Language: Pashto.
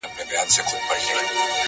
ته په زولنو کي د زندان حماسه ولیکه-